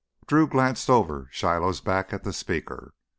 Drew glanced over Shiloh's back to the speaker.